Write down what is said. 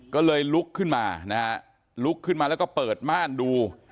ก็เลยลุกขึ้นมานะฮะลุกขึ้นมาแล้วก็เปิดม่านดู